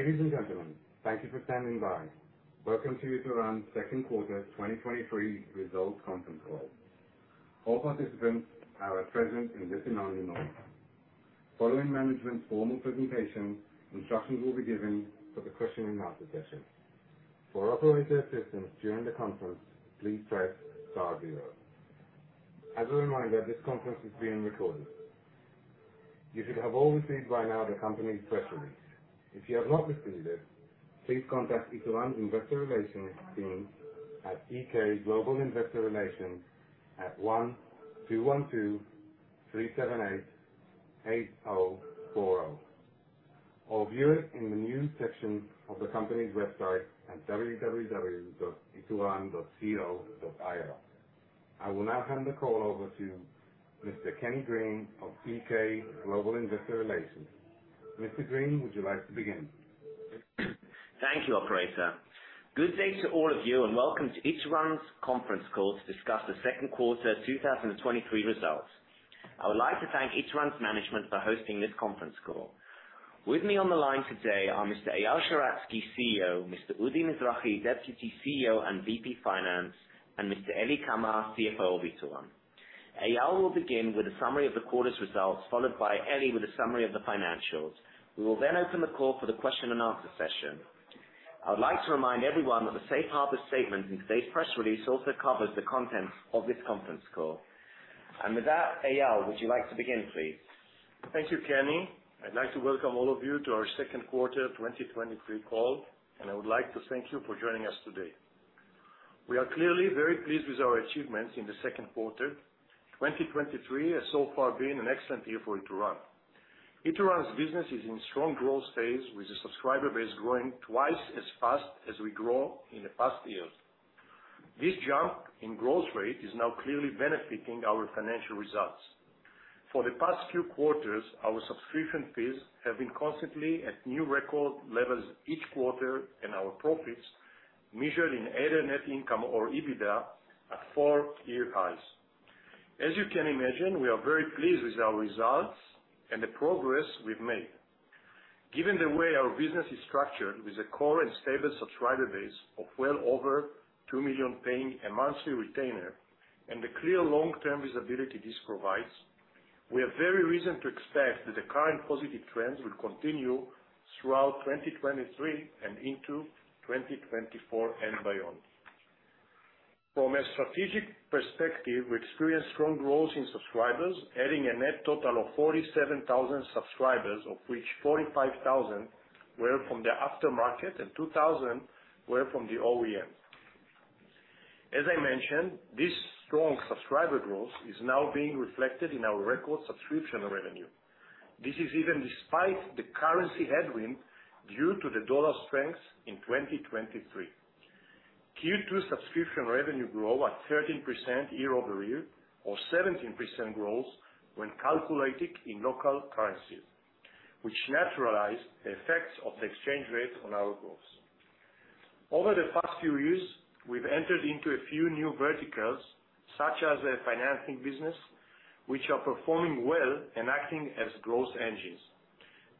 Ladies and gentlemen, thank you for standing by. Welcome to the Ituran second quarter 2023 results conference call. All participants are at present in listen-only mode. Following management's formal presentation, instructions will be given for the question-and-answer session. For operator assistance during the conference, please press star zero. As a reminder, this conference is being recorded. You should have all received by now the company's press release. If you have not received it, please contact Ituran Investor Relations team at EK Global Investor Relations at 1-212-378-8040, or view it in the news section of the company's website at www.ituran.co.il. I will now hand the call over to Mr. Kenny Green of EK Global Investor Relations. Mr. Green, would you like to begin? Thank you, operator. Good day to all of you, and welcome to Ituran's conference call to discuss the second quarter of 2023 results. I would like to thank Ituran's management for hosting this conference call. With me on the line today are Mr. Eyal Sheratzky, CEO, Mr. Udi Mizrahi, Deputy CEO and VP Finance, and Mr. Eli Kamer, CFO of Ituran. Eyal will begin with a summary of the quarter's results, followed by Eli with a summary of the financials. We will open the call for the question and answer session. I would like to remind everyone that the safe harbor statement in today's press release also covers the contents of this conference call. With that, Eyal, would you like to begin, please? Thank you, Kenny. I'd like to welcome all of you to our second quarter 2023 call. I would like to thank you for joining us today. We are clearly very pleased with our achievements in the second quarter. 2023 has so far been an excellent year for Ituran. Ituran's business is in strong growth phase, with the subscriber base growing twice as fast as we grew in the past years. This jump in growth rate is now clearly benefiting our financial results. For the past few quarters, our subscription fees have been constantly at new record levels each quarter, and our profits measured in either net income or EBITDA at four-year highs. As you can imagine, we are very pleased with our results and the progress we've made. Given the way our business is structured, with a core and stable subscriber base of well over 2 million paying a monthly retainer and the clear long-term visibility this provides, we have every reason to expect that the current positive trends will continue throughout 2023 and into 2024 and beyond. From a strategic perspective, we experienced strong growth in subscribers, adding a net total of 47,000 subscribers, of which 45,000 were from the aftermarket and 2,000 were from the OEM. As I mentioned, this strong subscriber growth is now being reflected in our record subscription revenue. This is even despite the currency headwind due to the dollar strength in 2023. Q2 subscription revenue grew at 13% year-over-year, or 17% growth when calculated in local currency, which naturalized the effects of the exchange rate on our growth. Over the past few years, we've entered into a few new verticals, such as the financing business, which are performing well and acting as growth engines.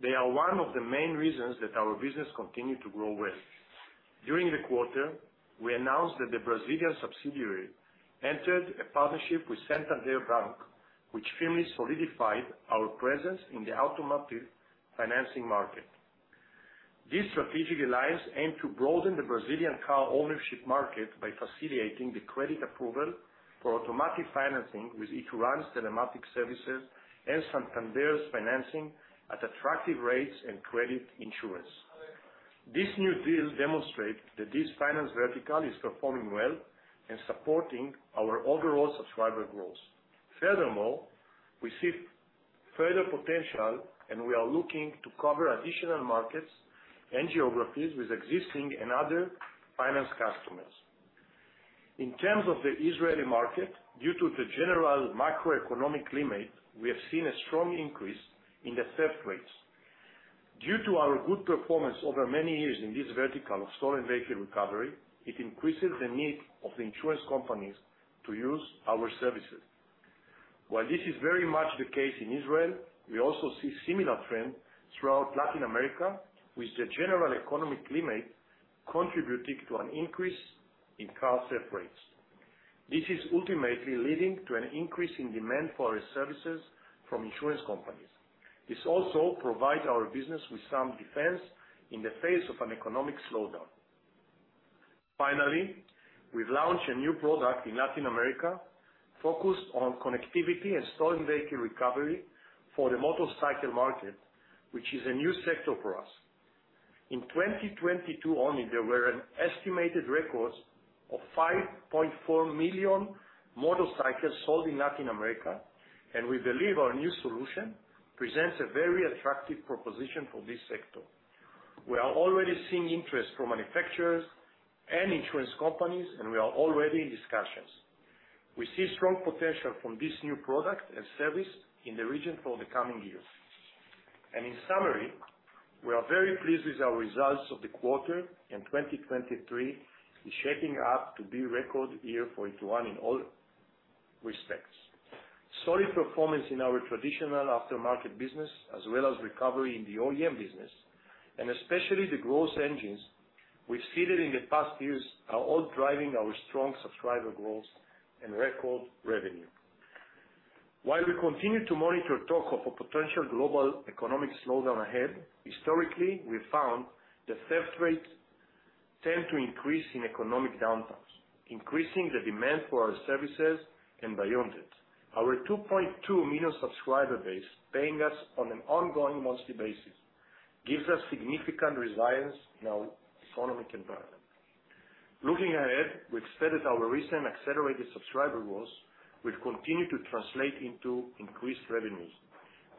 They are one of the main reasons that our business continued to grow well. During the quarter, we announced that the Brazilian subsidiary entered a partnership with Santander Bank, which firmly solidified our presence in the automotive financing market. This strategic alliance aimed to broaden the Brazilian car ownership market by facilitating the credit approval for automatic financing with Ituran's telematics services and Santander's financing at attractive rates and credit insurance. This new deal demonstrates that this finance vertical is performing well and supporting our overall subscriber growth. Furthermore, we see further potential, and we are looking to cover additional markets and geographies with existing and other finance customers. In terms of the Israeli market, due to the general macroeconomic climate, we have seen a strong increase in the theft rates. Due to our good performance over many years in this vertical of stolen vehicle recovery, it increases the need of the insurance companies to use our services. While this is very much the case in Israel, we also see similar trends throughout Latin America, with the general economic climate contributing to an increase in car theft rates. This is ultimately leading to an increase in demand for our services from insurance companies. This also provides our business with some defense in the face of an economic slowdown. Finally, we've launched a new product in Latin America focused on connectivity and stolen vehicle recovery for the motorcycle market, which is a new sector for us. In 2022 only, there were an estimated records of 5.4 million motorcycles sold in Latin America, and we believe our new solution presents a very attractive proposition for this sector. We are already seeing interest from manufacturers and insurance companies, and we are already in discussions. We see strong potential from this new product and service in the region for the coming years. In summary, we are very pleased with our results of the quarter, and 2023 is shaping up to be a record year for Ituran in all respects. Solid performance in our traditional aftermarket business, as well as recovery in the OEM business, and especially the growth engines we've seeded in the past years, are all driving our strong subscriber growth and record revenue. While we continue to monitor talk of a potential global economic slowdown ahead, historically, we found the theft rate tend to increase in economic downturns, increasing the demand for our services and beyond it. Our 2.2 million subscriber base, paying us on an ongoing monthly basis, gives us significant resilience in our economic environment. Looking ahead, we expect that our recent accelerated subscriber growth will continue to translate into increased revenues,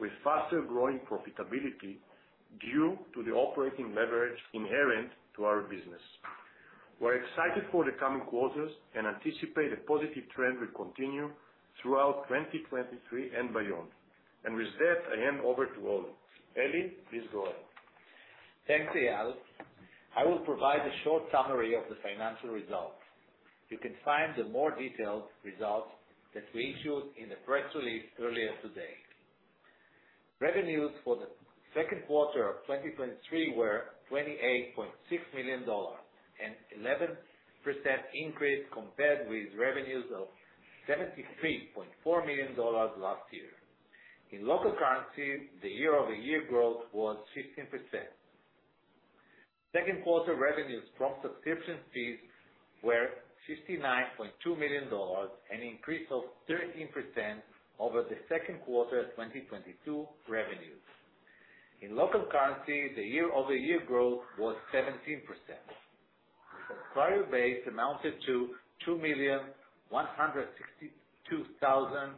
with faster growing profitability due to the operating leverage inherent to our business. We're excited for the coming quarters and anticipate a positive trend will continue throughout 2023 and beyond. With that, I hand over to Eli. Eli, please go ahead. Thanks, Eyal. I will provide a short summary of the financial results. You can find the more detailed results that we issued in the press release earlier today. Revenues for the second quarter of 2023 were $28.6 million, an 11% increase compared with revenues of $73.4 million last year. In local currency, the year-over-year growth was 15%. Second quarter revenues from subscription fees were $69.2 million, an increase of 13% over the second quarter of 2022 revenues. In local currency, the year-over-year growth was 17%. Subscriber base amounted to 2,162,000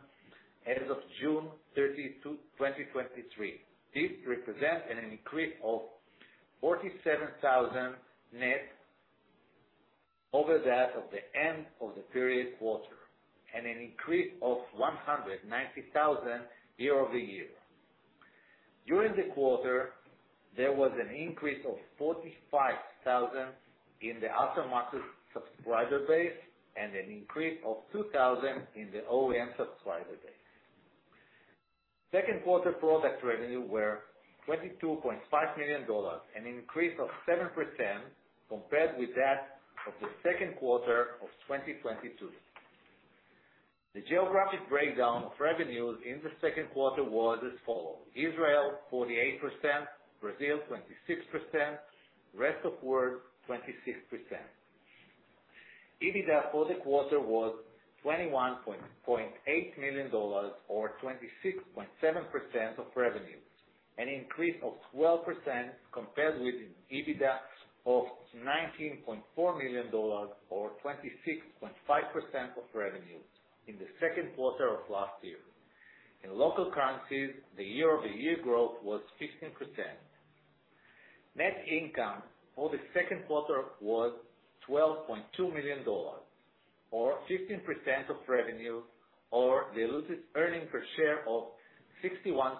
as of June 30, 2023. This represents an increase of 47,000 net over that of the end of the period quarter, and an increase of 190,000 year-over-year. During the quarter, there was an increase of 45,000 in the aftermarket subscriber base and an increase of 2,000 in the OEM subscriber base. Second quarter product revenue were $22.5 million, an increase of 7% compared with that of the second quarter of 2022. The geographic breakdown of revenues in the second quarter was as follow: Israel, 48%; Brazil, 26%; rest of world, 26%. EBITDA for the quarter was $21.8 million, or 26.7% of revenue, an increase of 12% compared with EBITDA of $19.4 million, or 26.5% of revenue in the second quarter of last year. In local currencies, the year-over-year growth was 16%. Net income for the second quarter was $12.2 million, or 15% of revenue, or diluted earnings per share of $0.61,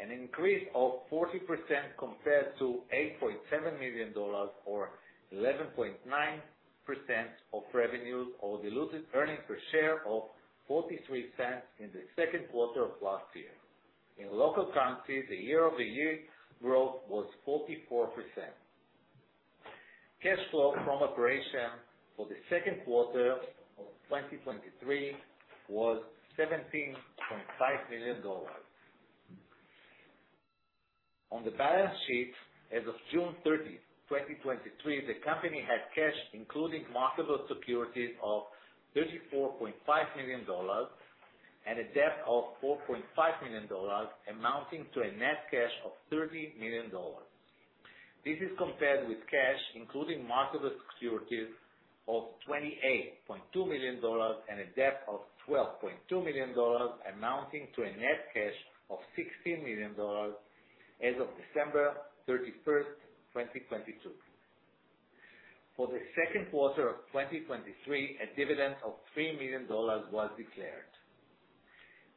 an increase of 40% compared to $8.7 million or 11.9% of revenues, or diluted earnings per share of $0.43 in the second quarter of last year. In local currency, the year-over-year growth was 44%. Cash flow from operations for the second quarter of 2023 was $17.5 million. On the balance sheet, as of June 30th, 2023, the company had cash, including marketable securities, of $34.5 million and a debt of $4.5 million, amounting to a net cash of $30 million. This is compared with cash, including marketable securities of $28.2 million and a debt of $12.2 million, amounting to a net cash of $16 million as of December 31, 2022. For the second quarter of 2023, a dividend of $3 million was declared.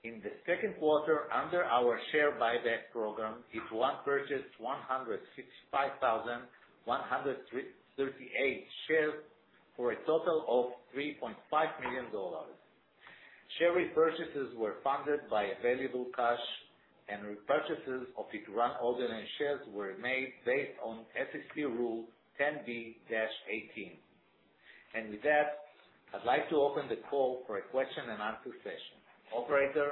In the second quarter, under our share buyback program, Ituran purchased 165,138 shares, for a total of $3.5 million. Share repurchases were funded by available cash, repurchases of Ituran ordinary shares were made based on SEC Rule 10b-18. With that, I'd like to open the call for a question and answer session. Operator?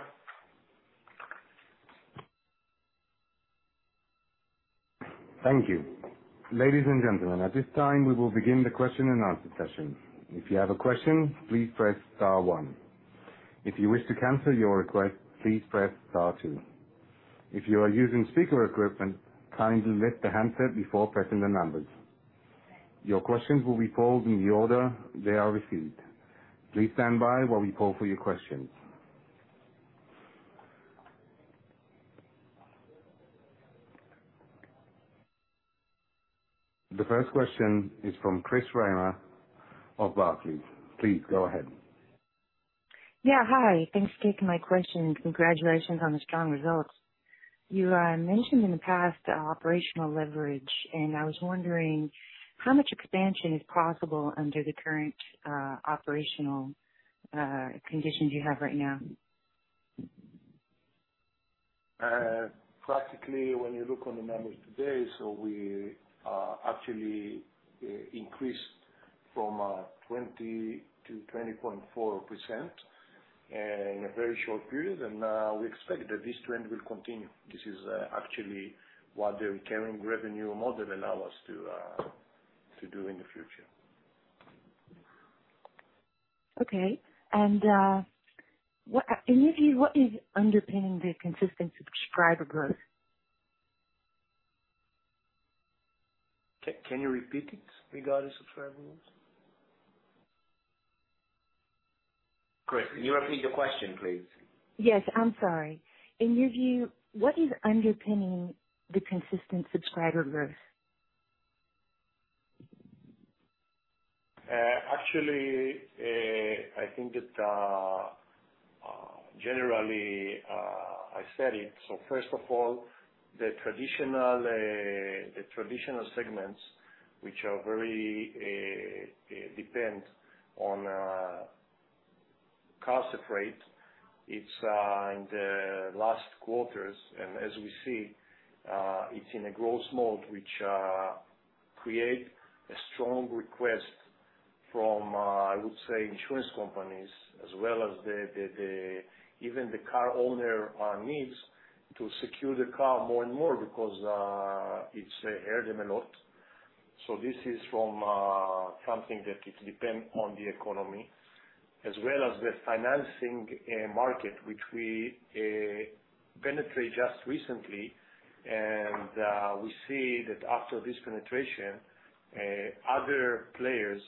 Thank you. Ladies and gentlemen, at this time, we will begin the question and answer session. If you have a question, please press star one. If you wish to cancel your request, please press star two. If you are using speaker equipment, kindly lift the handset before pressing the numbers. Your questions will be called in the order they are received. Please stand by while we call for your questions. The first question is from Chris Reimer of Barclays. Please go ahead. Yeah, hi. Thanks for taking my question, and congratulations on the strong results. You mentioned in the past, operational leverage, and I was wondering how much expansion is possible under the current, operational, conditions you have right now? Practically, when you look on the numbers today, so we actually increased from 20%-20.4% in a very short period. We expect that this trend will continue. This is actually what the recurring revenue model allow us to do in the future. Okay. What, in your view, what is underpinning the consistent subscriber growth? Can you repeat it? Regarding subscriber growth? Chris, can you repeat the question, please? Yes, I'm sorry. In your view, what is underpinning the consistent subscriber growth? Actually, I think that generally, I said it. First of all, the traditional, the traditional segments, which are very, depend on, cost of freight. It's in the last quarters, and as we see, it's in a growth mode, which create a strong request from, I would say, insurance companies as well as the, the, the even the car owner, needs to secure the car more and more because, it's hurt them a lot. This is from, something that it depend on the economy, as well as the financing, market, which we, penetrate just recently. We see that after this penetration, other players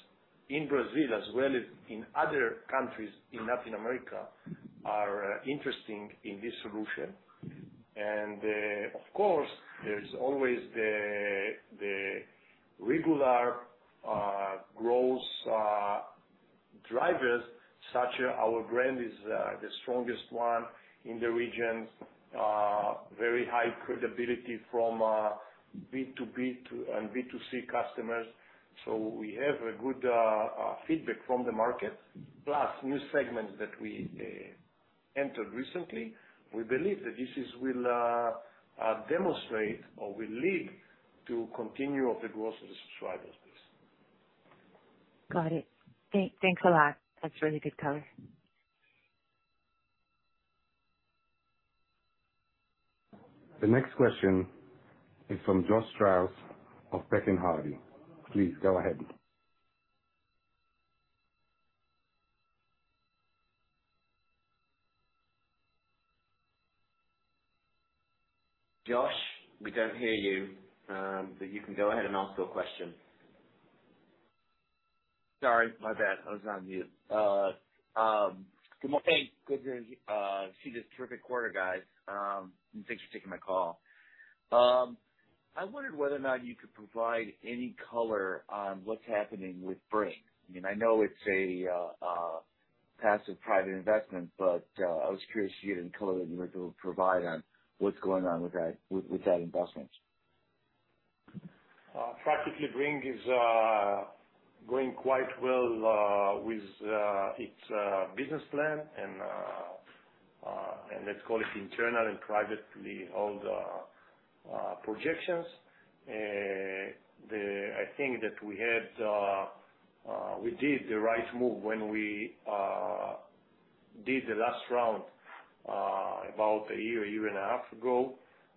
in Brazil as well as in other countries in Latin America, are interesting in this solution. Of course, there's always the, the regular growth drivers, such our brand is the strongest one in the region. Very high credibility from B2B and B2C customers. We have a good feedback from the market, plus new segments that we entered recently. We believe that this is will demonstrate or will lead to continued of the growth of the subscribers base. Got it. Thanks a lot. That's really good color. The next question is from Josh Strauss of Pekin Hardy. Please go ahead. Josh, we don't hear you. You can go ahead and ask your question. Sorry, my bad. I was on mute. Good morning. Good to see this terrific quarter, guys. Thanks for taking my call. I wondered whether or not you could provide any color on what's happening with Bringg. I mean, I know it's a passive private investment, but I was curious if you had any color that you were to provide on what's going on with that, with that investment. Practically, Bringg is going quite well with its business plan and and let's call it internal and privately held projections. I think that we had we did the right move when we did the last round about a year, a year and a half ago,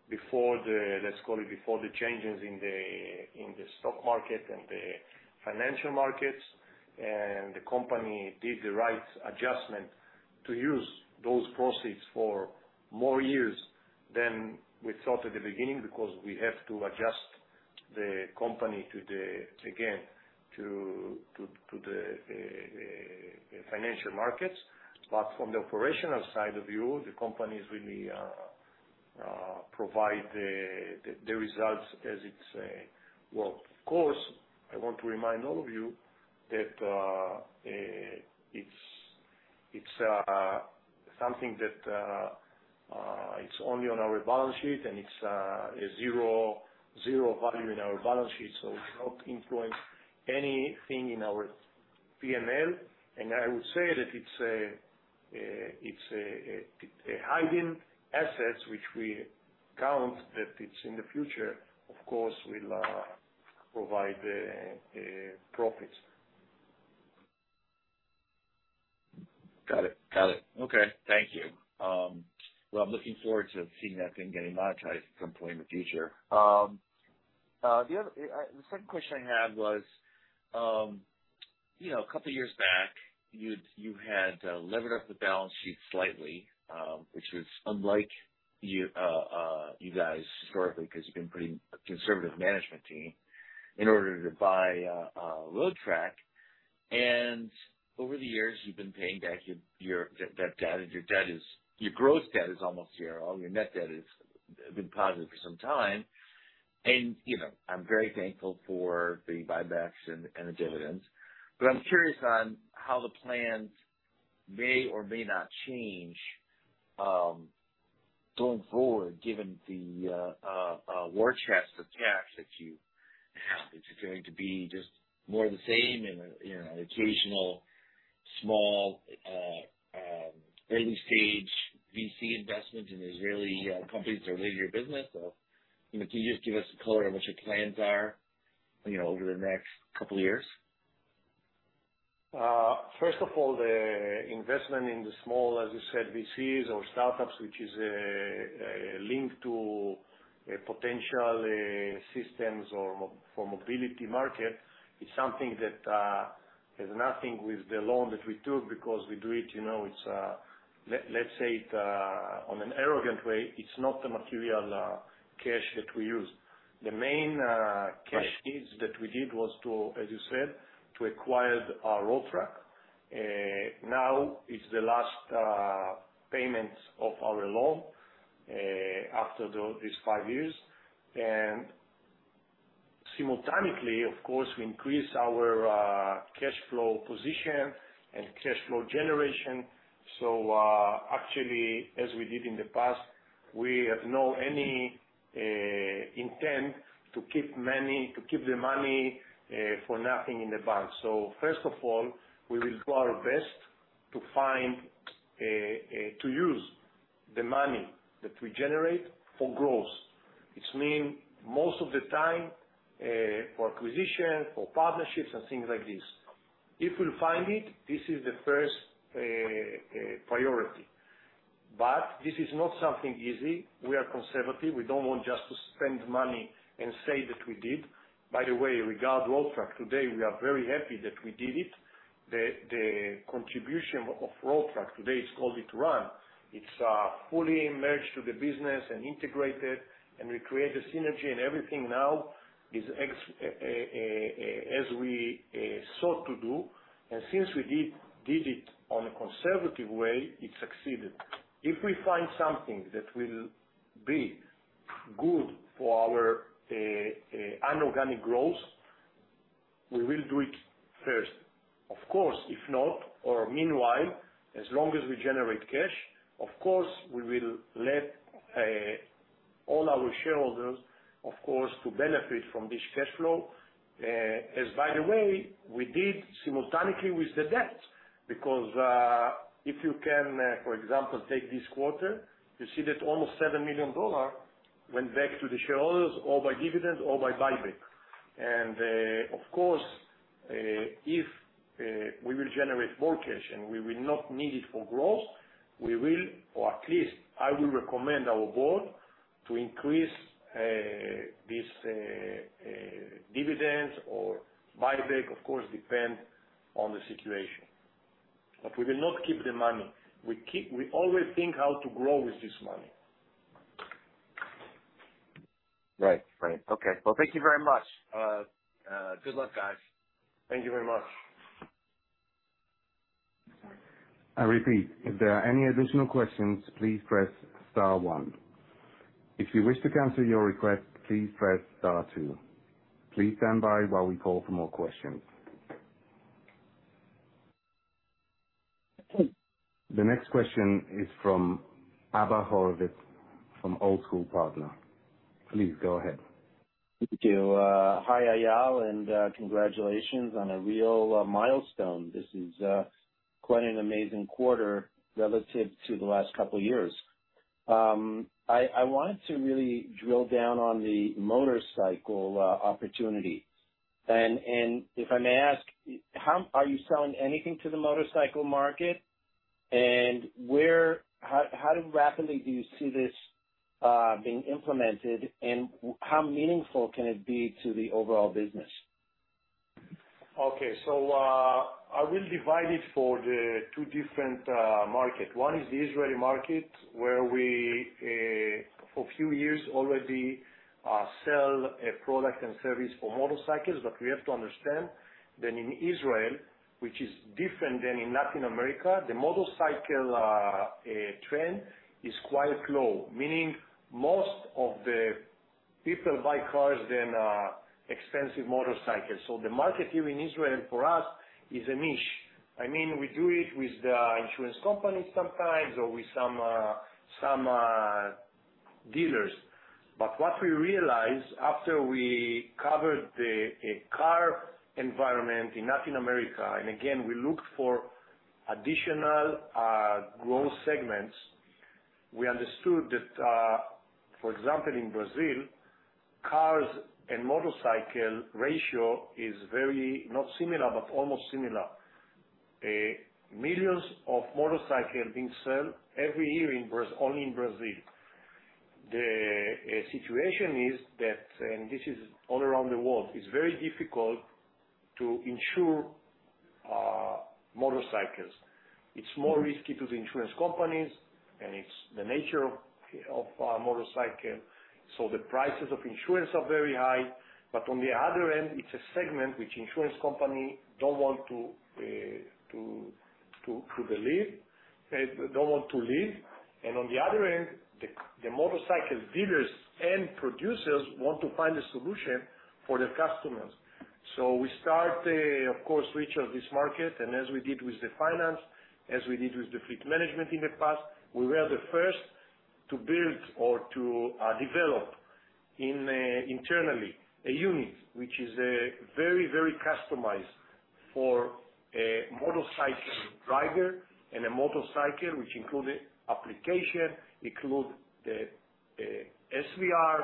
before the, let's call it, before the changes in the, in the stock market and the financial markets. The company did the right adjustment to use those proceeds for more years than we thought at the beginning, because we have to adjust the company to the, again, to the financial markets. From the operational side of view, the company is really provide the results as it's. Well, of course, I want to remind all of you that it's, it's something that it's only on our balance sheet, and it's a zero, zero value in our balance sheet. It's not influencing anything in our PNL. I would say that it's a it's a hiding assets, which we count, that it's in the future, of course, will provide profits. Got it. Got it. Okay. Thank you. Well, I'm looking forward to seeing that thing getting monetized at some point in the future. The other, the second question I had was, you know, a couple of years back, you had levered up the balance sheet slightly, which is unlike you, you guys historically, because you've been pretty conservative management team, in order to buy Road Track. Over the years, you've been paying back your, your debt down, and your debt is your growth debt is almost zero. Your net debt is, has been positive for some time. You know, I'm very thankful for the buybacks and the dividends. I'm curious on how the plans may or may not change, going forward, given the war chest of cash that you have. Is it going to be just more of the same and, and, you know, occasional small, early stage VC investment in Israeli companies that are related to your business? Or, you know, can you just give us a color on what your plans are, you know, over the next couple years? First of all, the investment in the small, as you said, VCs or startups, which is linked to potential systems for mobility market, is something that has nothing with the loan that we took because we do it, you know, it's. Let's say it on an arrogant way, it's not the material cash that we use. The main cash needs that we did was to, as you said, to acquire Road Track. Now it's the last payments of our loan after these five years. Simultaneously, of course, we increase our cash flow position and cash flow generation. Actually, as we did in the past, we have no any intent to keep money, to keep the money for nothing in the bank. First of all, we will do our best to find to use the money that we generate for growth. It's mean most of the time, for acquisition, for partnerships and things like this. If we'll find it, this is the first priority, but this is not something easy. We are conservative. We don't want just to spend money and say that we did. By the way, regard Road Track, today we are very happy that we did it. The, the contribution of, of Road Track today is called Ituran. It's fully merged to the business and integrated, and we create a synergy, and everything now is ex- as we sought to do. Since we did it on a conservative way, it succeeded. If we find something that will be good for our inorganic growth, we will do it first. If not, or meanwhile, as long as we generate cash, of course, we will let all our shareholders, of course, to benefit from this cash flow. As by the way, we did simultaneously with the debt, because, if you can, for example, take this quarter, you see that almost $7 million went back to the shareholders, all by dividends, all by buyback. Of course, if we will generate more cash and we will not need it for growth, we will, or at least I will recommend our board, to increase this dividends or buyback, of course, depend on the situation. We will not keep the money. We always think how to grow with this money. Right. Right. Okay. Well, thank you very much. Good luck, guys. Thank you very much. I repeat, if there are any additional questions, please press star one. If you wish to cancel your request, please press star two. Please stand by while we call for more questions. The next question is from Abba Horwitz, from Old School Partners. Please go ahead. Thank you. Hi, Eyal, congratulations on a real milestone. This is quite an amazing quarter relative to the last couple years. I want to really drill down on the motorcycle opportunity. If I may ask, are you selling anything to the motorcycle market? Where, how, how rapidly do you see this being implemented, and how meaningful can it be to the overall business? Okay. I will divide it for the two different market. One is the Israeli market, where we, for few years already, sell a product and service for motorcycles. We have to understand that in Israel, which is different than in Latin America, the motorcycle trend is quite low. Meaning, most of the people buy cars than expensive motorcycles. The market here in Israel for us is a niche. I mean, we do it with the insurance companies sometimes or with some, some dealers. What we realized after we covered the car environment in Latin America, we looked for additional growth segments, we understood that, for example, in Brazil, cars and motorcycle ratio is very, not similar, but almost similar. Millions of motorcycle being sold every year in Brazil only in Brazil. The situation is that, and this is all around the world, it's very difficult to insure motorcycles. It's more risky to the insurance companies, and it's the nature of motorcycle, so the prices of insurance are very high. On the other end, it's a segment which insurance company don't want to delete. They don't want to leave, and on the other end, the motorcycle dealers and producers want to find a solution for their customers. We start, of course, reach of this market, as we did with the finance, as we did with the fleet management in the past, we were the first to build or to develop internally, a unit, which is very, very customized for a motorcycle driver and a motorcycle, which include a application, include the SVR,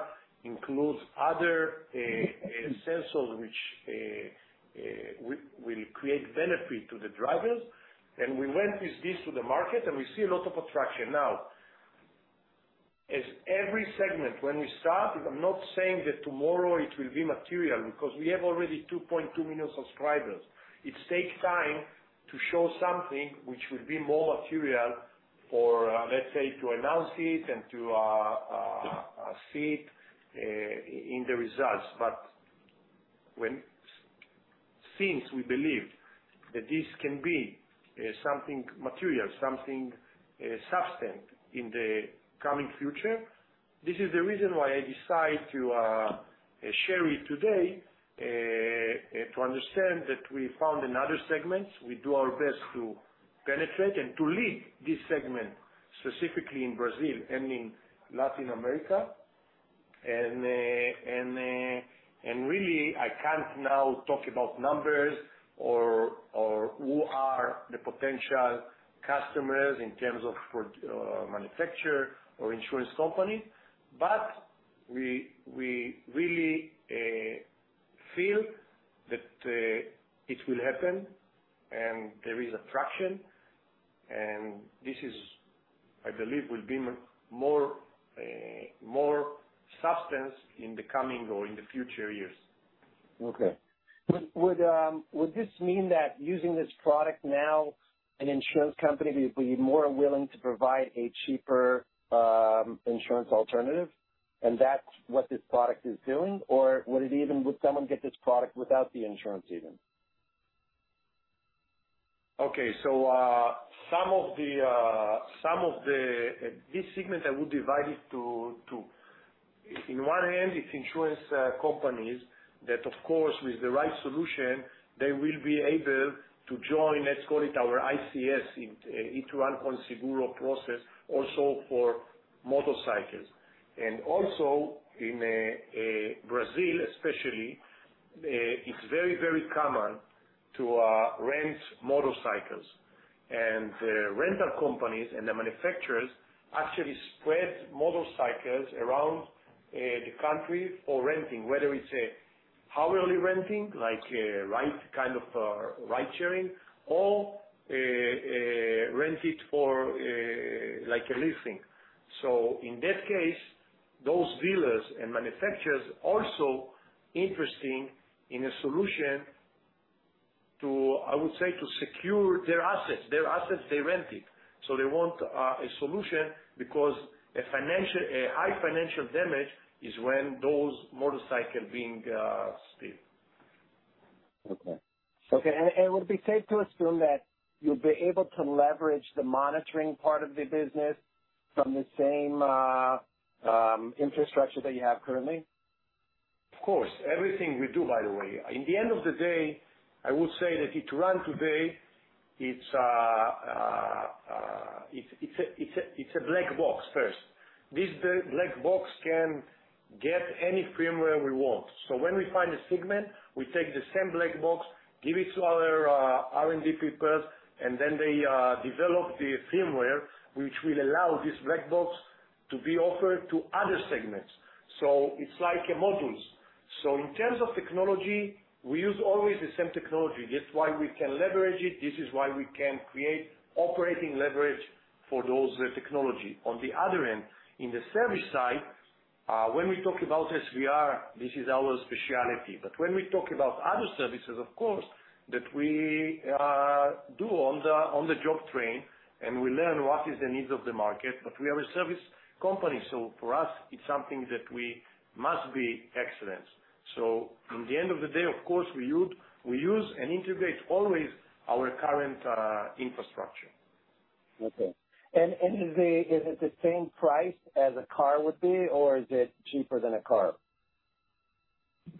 includes other sensors, which will create benefit to the drivers. We went with this to the market, and we see a lot of attraction. As every segment, when we start, I'm not saying that tomorrow it will be material, because we have already 2.2 million subscribers. It takes time to show something which will be more material for, let's say, to announce it and to see it in the results. Since we believe that this can be something material, something substantive in the coming future, this is the reason why I decide to share it today, to understand that we found in other segments, we do our best to penetrate and to lead this segment, specifically in Brazil and in Latin America. Really, I can't now talk about numbers or, or who are the potential customers in terms of for manufacturer or insurance company, but we really feel that it will happen, and there is a traction, and this is, I believe, will be more substance in the coming or in the future years. Okay. Would, wthis mean that using this product now, an insurance company will be more willing to provide a cheaper, insurance alternative, and that's what this product is doing? Would it even, would someone get this product without the insurance even? Okay, so, some of the, some of the. This segment, I will divide it to, to, in one hand, it's insurance companies that, of course, with the right solution, they will be able to join, let's call it, our ICS, in Ituran Con Seguro process, also for motorcycles. Also in Brazil especially, it's very, very common to rent motorcycles. Rental companies and the manufacturers actually spread motorcycles around the country for renting, whether it's a hourly renting, like a ride, kind of, ride-sharing, or rent it for, like a leasing. In that case, those dealers and manufacturers also interesting in a solution to, I would say, to secure their assets, their assets they rented. They want a solution because a financial, a high financial damage is when those motorcycle being steal. Okay. Okay, would it be safe to assume that you'll be able to leverage the monitoring part of the business from the same infrastructure that you have currently? Of course. Everything we do, by the way. In the end of the day, I would say that Ituran today, it's a black box first. This black box can get any firmware we want. When we find a segment, we take the same black box, give it to our R&D people, and then they develop the firmware, which will allow this black box to be offered to other segments. It's like a modules. In terms of technology, we use always the same technology. That's why we can leverage it. This is why we can create operating leverage for those technology. On the other end, in the service side, when we talk about SVR, this is our specialty. When we talk about other services, of course, that we do on the job train, and we learn what is the needs of the market. We are a service company, so for us, it's something that we must be excellent. In the end of the day, of course, we use, we use and integrate always our current infrastructure. Okay. Is it the same price as a car would be, or is it cheaper than a car?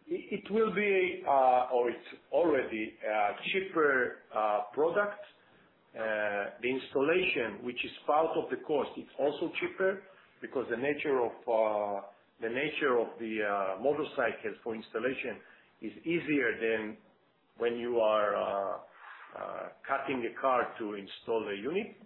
It will be, or it's already a cheaper product. The installation, which is part of the cost, it's also cheaper because the nature of the nature of the motorcycles for installation is easier than when you are cutting a car to install the unit.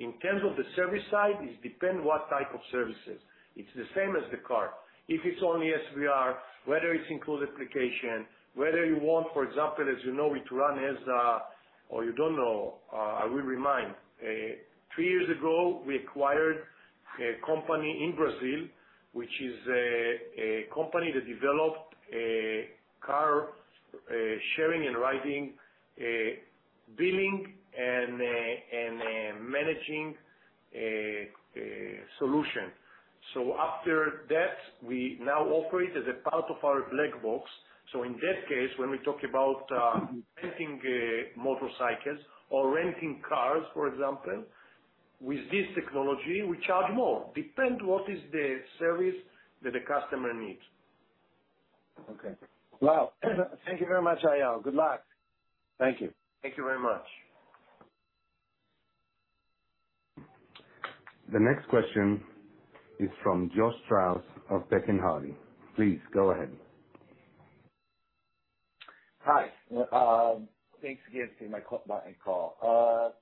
In terms of the service side, it depend what type of services. It's the same as the car. If it's only SVR, whether it's include application, whether you want, for example, as you know, Ituran has. You don't know, I will remind. three years ago, we acquired a company in Brazil, which is a company that developed a car sharing and riding billing and and a solution. After that, we now operate as a part of our black box. In that case, when we talk about renting motorcycles or renting cars, for example, with this technology, we charge more. Depend what is the service that the customer needs. Okay. Well, thank you very much, Eyal. Good luck. Thank you. Thank you very much. The next question is from Josh Strauss of Pekin Hardy. Please, go ahead. Hi, thanks again for my call.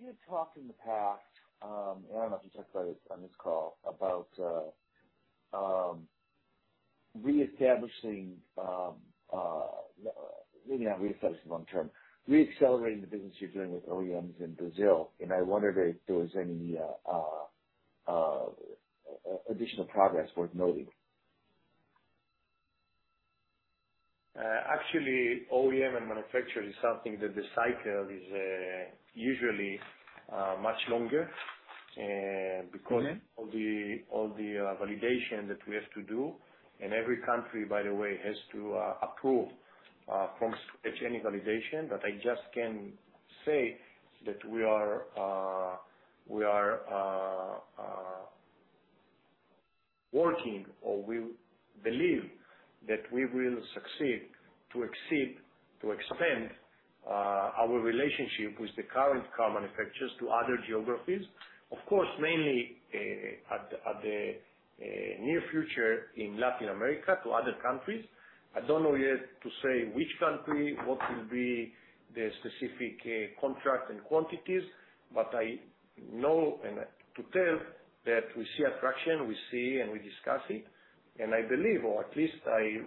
You talked in the past, and I don't know if you talked about it on this call, about reestablishing, maybe not reestablishing long term, re-accelerating the business you're doing with OEMs in Brazil, and I wondered if there was any additional progress worth noting? Actually, OEM and manufacturer is something that the cycle is usually much longer. Because of all the validation that we have to do. Every country, by the way, has to approve from any validation. I just can say that we are working or we believe that we will succeed to exceed, to expand our relationship with the current car manufacturers to other geographies. Of course, mainly at the near future in Latin America, to other countries. I don't know yet to say which country, what will be the specific contract and quantities, but I know and to tell that we see attraction, we see and we discuss it. I believe, or at least I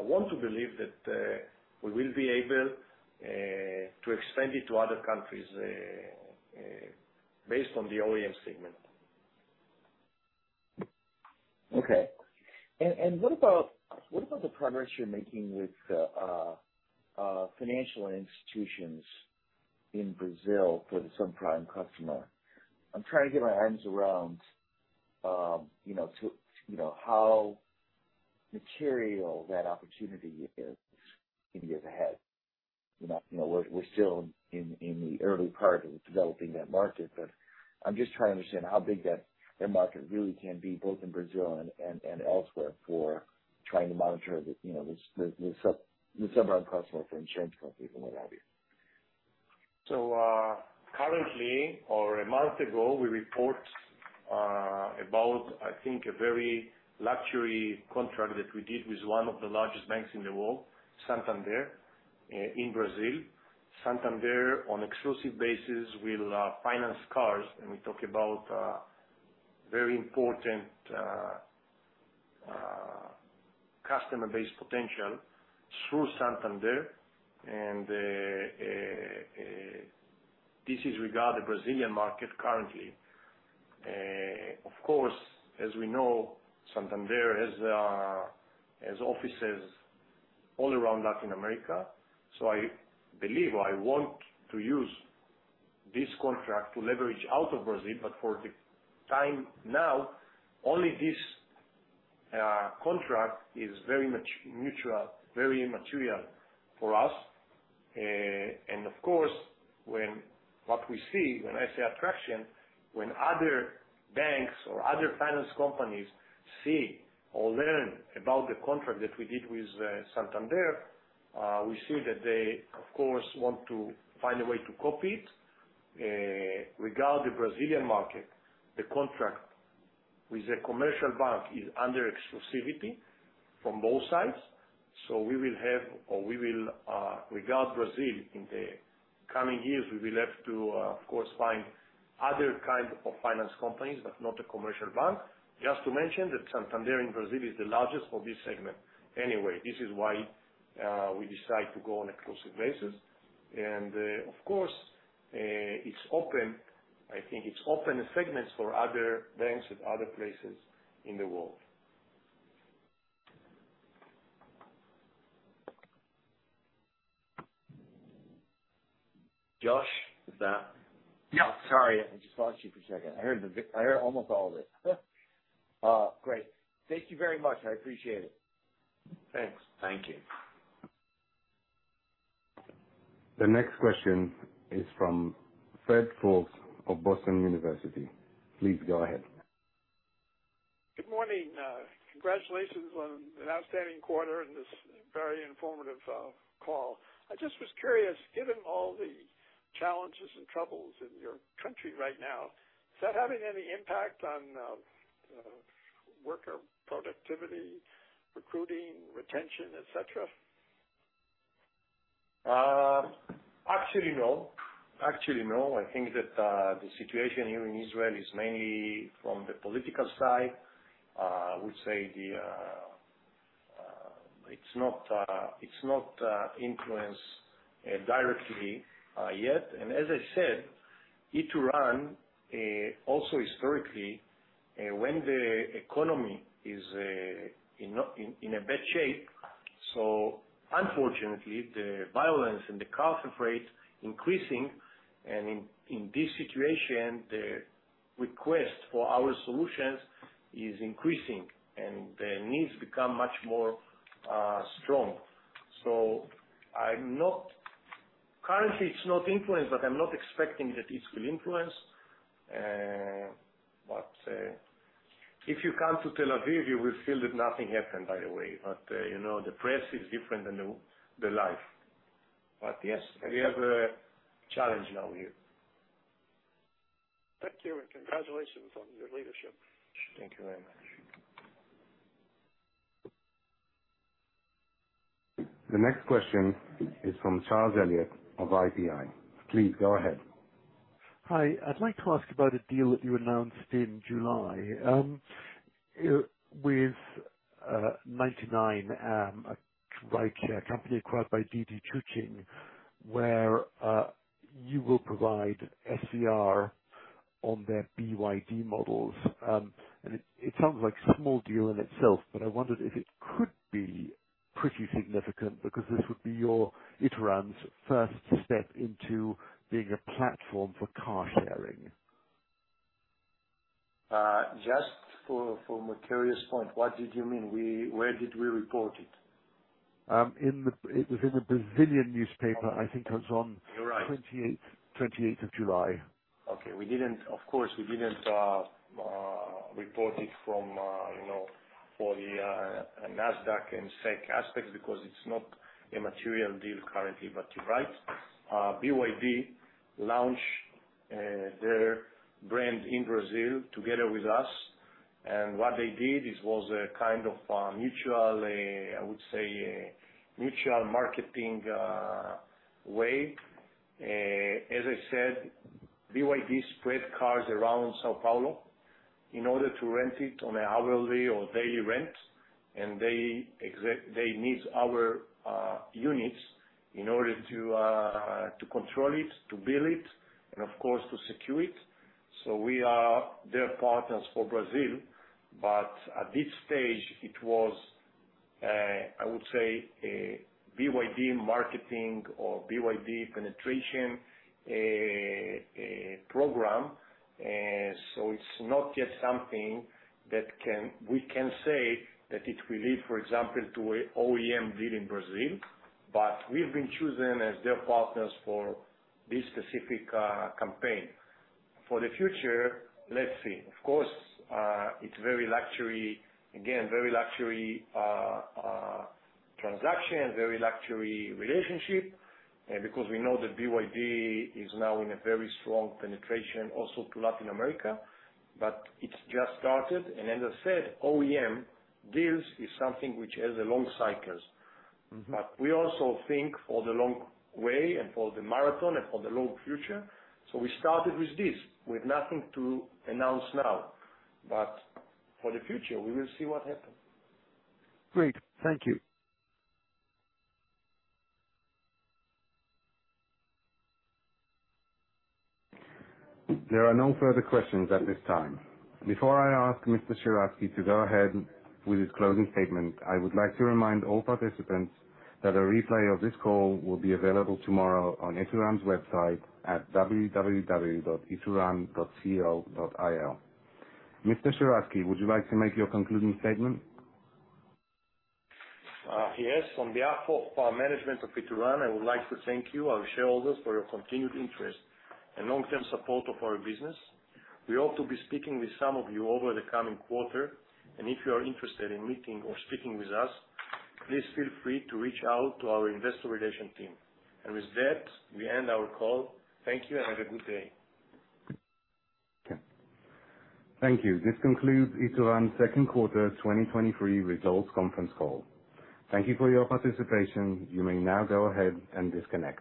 want to believe, that we will be able to extend it to other countries based on the OEM segment. Okay. What about, what about the progress you're making with financial institutions in Brazil for the subprime customer? I'm trying to get my arms around, you know, how material that opportunity is in years ahead. You know, we're, we're still in, in the early part of developing that market, but I'm just trying to understand how big that, that market really can be, both in Brazil and, and, and elsewhere, for trying to monitor the, you know, the subprime customer for insurance companies and what have you. Currently, or a month ago, we report about, I think, a very luxury contract that we did with one of the largest banks in the world, Santander, in Brazil. Santander, on exclusive basis, will finance cars, and we talk about very important customer base potential through Santander. This is regard the Brazilian market currently. Of course, as we know, Santander has has offices all around Latin America, so I believe or I want to use this contract to leverage out of Brazil, but for the time now, only this contract is very much mutual, very immaterial for us. Of course, when. What we see when I say attraction, when other banks or other finance companies see or learn about the contract that we did with Santander, we see that they, of course, want to find a way to copy it. Regard the Brazilian market, the contract with the commercial bank is under exclusivity from both sides, so we will have, or we will, regard Brazil in the coming years, we will have to, of course, find other kind of finance companies, but not a commercial bank. Just to mention that Santander in Brazil is the largest for this segment anyway. This is why we decide to go on exclusive basis. Of course, it's open. I think it's open segments for other banks and other places in the world. Yeah, sorry. I just lost you for a second. I heard I heard almost all of it. Great. Thank you very much. I appreciate it. Thanks. Thank you. The next question is from Fred Foulkes of Boston University. Please go ahead. Good morning. Congratulations on an outstanding quarter and this very informative call. I just was curious, given all the challenges and troubles in your country right now, is that having any impact on worker productivity, recruiting, retention, et cetera? Actually, no. Actually, no. I think that the situation here in Israel is mainly from the political side. I would say the, it's not, it's not influenced directly yet. As I said, Ituran also historically, when the economy is in a bad shape, unfortunately, the violence and the car theft rates increasing, and in this situation, the request for our solutions is increasing, and the needs become much more strong. Currently, it's not influenced, but I'm not expecting that it will influence. If you come to Tel Aviv, you will feel that nothing happened, by the way, but, you know, the press is different than the, the life. Yes, we have a challenge now here. Thank you, and congratulations on your leadership. Thank you very much. The next question is from Charles Elliott of IPI. Please go ahead. Hi. I'd like to ask about a deal that you announced in July, with 99, a ride-share company acquired by DiDi Chuxing, where you will provide SVR on their BYD models. It, it sounds like a small deal in itself, but I wondered if it could be pretty significant because this would be your, Ituran's first step into being a platform for car sharing. Just for, for material point, what did you mean? Where did we report it? It was in a Brazilian newspaper. I think it was on- You're right. 28th of July. Okay. We didn't. Of course, we didn't report it from, you know, for the NASDAQ and SEC aspects because it's not a material deal currently. You're right. BYD launched their brand in Brazil together with us. What they did is was a kind of mutual, I would say a mutual marketing way. As I said, BYD spread cars around São Paulo in order to rent it on an hourly or daily rent. They need our units in order to control it, to bill it, and of course, to secure it. We are their partners for Brazil. At this stage, it was, I would say, a BYD marketing or BYD penetration program. It's not yet something that we can say that it will lead, for example, to a OEM deal in Brazil, but we've been chosen as their partners for this specific campaign. For the future, let's see. Of course, it's very luxury, again, very luxury, transaction, very luxury relationship, because we know that BYD is now in a very strong penetration also to Latin America, but it's just started. As I said, OEM deals is something which has a long cycles. We also think for the long way and for the marathon and for the long future, so we started with this. We have nothing to announce now, but for the future, we will see what happens. Great. Thank you. There are no further questions at this time. Before I ask Mr. Sheratzky to go ahead with his closing statement, I would like to remind all participants that a replay of this call will be available tomorrow on Ituran's website at www.ituran.co.il. Mr. Sheratzky, would you like to make your concluding statement? Yes. On behalf of our management of Ituran, I would like to thank you, our shareholders, for your continued interest and long-term support of our business. We hope to be speaking with some of you over the coming quarter, and if you are interested in meeting or speaking with us, please feel free to reach out to our investor relation team. With that, we end our call. Thank you, and have a good day. Thank you. This concludes Ituran's second quarter, 2023 results conference call. Thank you for your participation. You may now go ahead and disconnect.